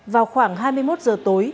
vào khoảng hai mươi một h tối